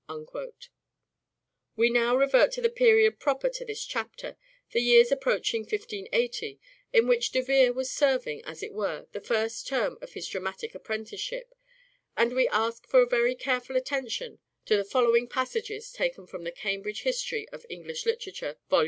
Munday We now revert to the period proper to this chapter, others' work, the years approaching 1580, in which De Vere was serving, as it were, the first term of his dramatic apprenticeship, and we ask for a very careful attention to the following passages taken from the Cambridge History of English Literature, vol.